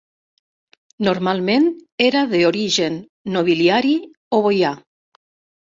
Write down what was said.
Normalment era d'origen nobiliari o boiar.